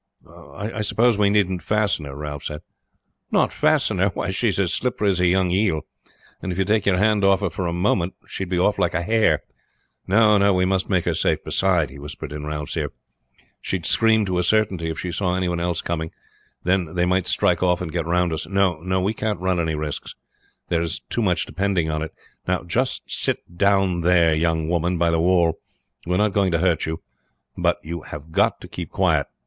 "I suppose we needn't fasten her?" Ralph said. "Not fasten her! Why, she is as slippery as a young eel, and if you take your hand off her for a moment she would be off like a hare. No, no, we must make her safe. Beside," he whispered in Ralph's ear, "she would scream to a certainty if she saw any one else coming, then they might strike off and get round us. No, no, we can't run any risks; there is too much depends on it. Now just sit down there, young woman, by the wall. We are not going to hurt you, but you have got to keep quiet.